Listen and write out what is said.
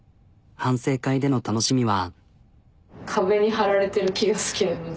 反省会での楽しみは。